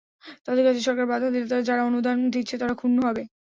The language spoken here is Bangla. তাদের কাজে সরকার বাধা দিলে যারা অনুদান দিচ্ছে, তারা ক্ষুণ্ন হবে।